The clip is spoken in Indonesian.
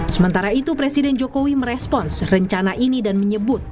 sementara itu presiden jokowi merespons rencana ini dan menyebut